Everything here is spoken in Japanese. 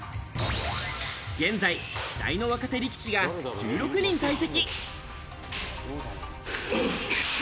現在、期待の若手力士が１６人在籍。